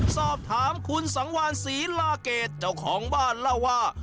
สอบถามคุณสังวานศรีลาเกดเจ้าของบ้านเล่าว่า